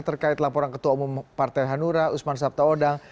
terkait laporan ketua umum partai hanura usman sabta odang